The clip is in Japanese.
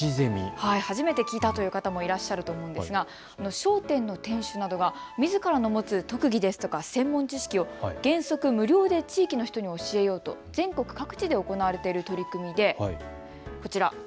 初めて聞いた方もいらっしゃると思うんですが、商店の店主などがみずからの持つ特技ですとか専門知識を原則無料で地域の人に教えようと全国各地で行われている取り組みでこちら。